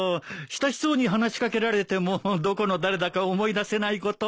親しそうに話し掛けられてもどこの誰だか思い出せないこと。